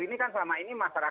ini kan selama ini masyarakat